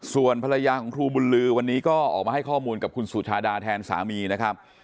ส่วนภรรยาของครูบุญลือวันนี้ก็ออกมาให้ข้อมูลกับคุณสุชาดาแทนสามีนะครับ